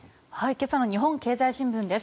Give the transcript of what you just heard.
今朝の日本経済新聞です。